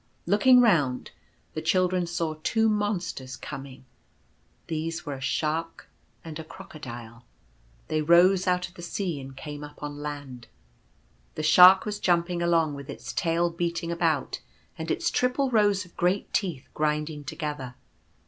Looking round, the children saw two monsters coming. These were a Shark and a Crocodile. They rose out of the sea and came up on land. The Shark was jumping along, with its tail beating about and its triple rows of great teeth grinding together.